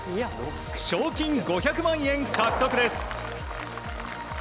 賞金５００万円獲得です。